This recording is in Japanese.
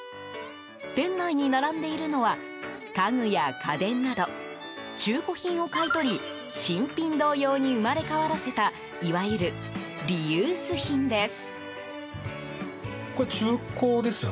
店内に並んでいるのは家具や家電など中古品を買い取り新品同様に生まれ変わらせたいわゆるリユース品です。